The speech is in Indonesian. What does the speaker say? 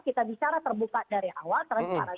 kita bicara terbuka dari awal transparan